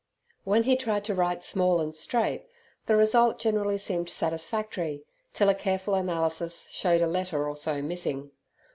When he tried to write small and straight, the result generally seemed satisfactory till a careful analysis showed a letter or so missing.